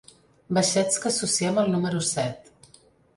Baixets que associem al número set.